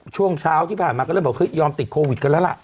ช่วงเช้าที่ผ่านมาก็เลยบอกเฮ้ยยอมติดโควิดกันแล้วล่ะ